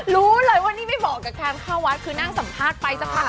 รู้เลยว่านี่ไม่เหมาะกับการเข้าวัดคือนั่งสัมภาษณ์ไปสักพัก